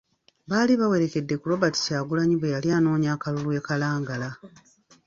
Baali bawerekedde ku Robert Kyagulanyi bwe yali anoonya akalulu e Kalangala.